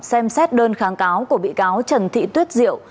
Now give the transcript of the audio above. xem xét đơn kháng cáo của bị cáo trần thị tuyết diệu